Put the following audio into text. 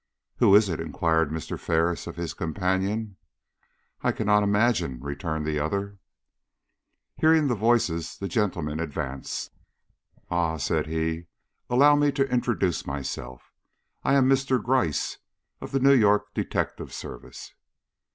"Who is it?" inquired Mr. Ferris of his companion. "I cannot imagine," returned the other. Hearing voices, the gentleman advanced. "Ah," said he, "allow me to introduce myself. I am Mr. Gryce, of the New York Detective Service."